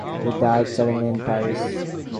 He died suddenly in Paris.